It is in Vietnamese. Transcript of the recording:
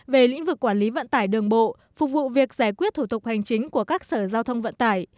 về lĩnh vực quản lý vận tải đường bộ phục vụ việc giải quyết thủ tục hành chính của các sở giao thông vận tải